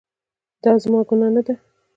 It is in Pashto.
دا زما ګناه نه ده